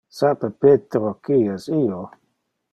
Sape Petro qui es io?